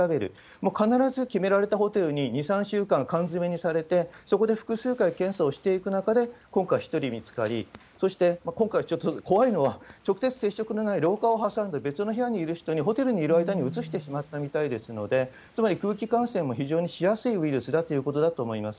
もう必ず決められたホテルに２、３週間缶詰めにされて、そこで複数回検査をしていく中で今回、１人見つかり、そして、今回ちょっと怖いのは、直接接触のない廊下を挟んだ別の部屋にいる人に、ホテルにいる間にうつってしまったみたいですので、つまり空気感染も非常にしやすいウイルスだということだと思います。